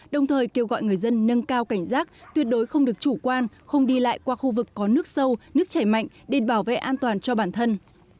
đồng thời kêu gọi người dân nâng cao cảnh giác tuyệt đối không được chủ quan không đi lại qua khu vực có nước sâu nước chảy mạnh để bảo vệ an toàn cho bản thân